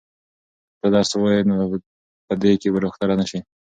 که ته درس ووایې نو په دې کې به ډاکټره نه شې.